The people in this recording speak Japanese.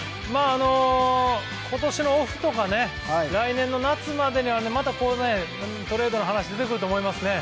今年のオフとか来年の夏までにはまたトレードの話が出てくると思いますね。